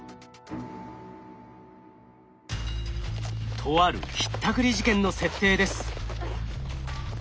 とあるひったくり事件の設定です。